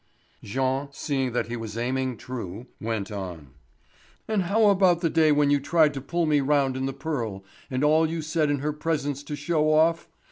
Jean, seeing that he was aiming true, went on: "And how about the day when you tried to pull me round in the Pearl? And all you said in her presence to show off?